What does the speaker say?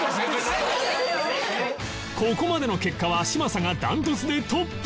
ここまでの結果は嶋佐が断トツでトップ